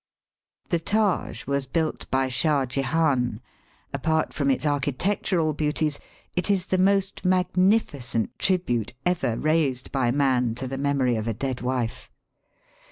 The Taj was built by Shah Jehan, apart from its architectural beauties, it is the most magnificent tribute ever raised by man to the memory of a dead wife.